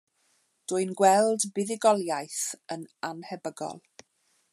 Dwi'n gweld buddugoliaeth yn annhebygol.